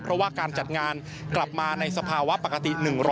เพราะว่าการจัดงานกลับมาในสภาวะปกติ๑๐๐